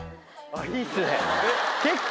いいっすね。